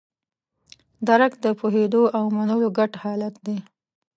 درک د پوهېدو او منلو ګډ حالت دی.